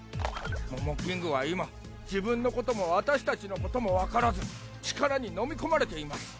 モモキングは今自分のことも私たちのこともわからず力に飲み込まれています。